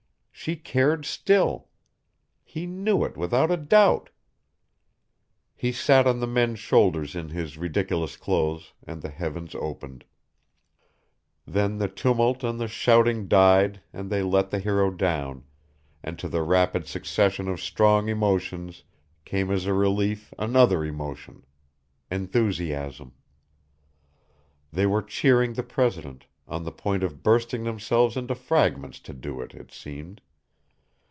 She cared still. He knew it without a doubt. He sat on the men's shoulders in his ridiculous clothes, and the heavens opened. Then the tumult and the shouting died and they let the hero down, and to the rapid succession of strong emotions came as a relief another emotion enthusiasm. They were cheering the president, on the point of bursting themselves into fragments to do it, it seemed.